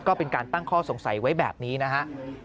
ก็เป็นการตั้งข้อสงสัยไว้แบบนี้นะฮะ